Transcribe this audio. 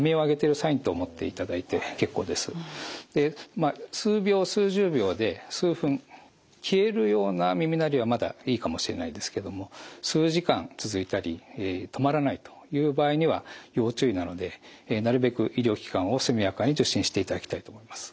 まあ数秒数十秒で数分消えるような耳鳴りはまだいいかもしれないんですけども数時間続いたり止まらないという場合には要注意なのでなるべく医療機関を速やかに受診していただきたいと思います。